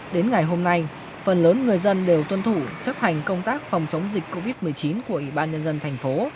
đến ngày hôm nay phần lớn người dân đều tuân thủ chấp hành công tác phòng chống dịch covid một mươi chín của ủy ban nhân dân thành phố